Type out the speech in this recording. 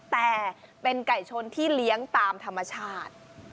แต่เป็นไก่ชนที่เลี้ยงตามธรรมชาติ